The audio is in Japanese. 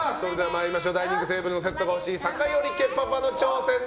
ダイニングテーブルのセットが欲しい酒寄家パパの挑戦。